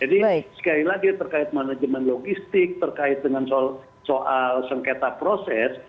jadi sekali lagi terkait manajemen logistik terkait dengan soal sengketa proses